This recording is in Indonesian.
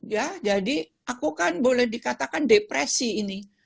ya jadi aku kan boleh dikatakan depresi ini